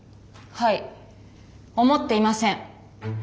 はい思っていません。